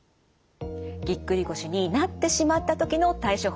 ぎっくり腰になってしまった時の対処法